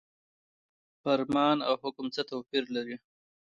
فرمان او حکم څه توپیر لري؟